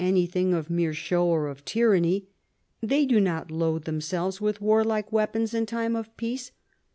anything of mere show or of tyranny. They do not load themselves with warlike weapons in time of peace.